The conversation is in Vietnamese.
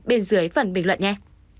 bên dưới phần bình luận nhé